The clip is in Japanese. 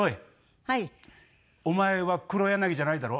お前は黒柳じゃないだろ？